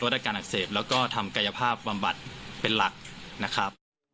อาการอักเสบแล้วก็ทำกายภาพบำบัดเป็นหลักนะครับ